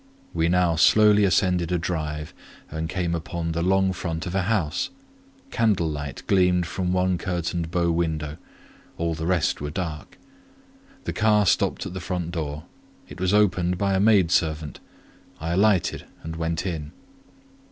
We now slowly ascended a drive, and came upon the long front of a house: candlelight gleamed from one curtained bow window; all the rest were dark. The car stopped at the front door; it was opened by a maid servant; I alighted and went in.